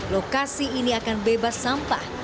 lokasi ini akan bebas sampah